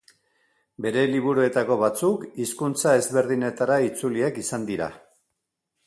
Bere liburuetako batzuk hizkuntza ezberdinetara itzuliak izan dira.